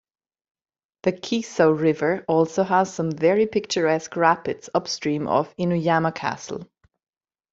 The Kiso River also has some very picturesque rapids upstream of Inuyama Castle.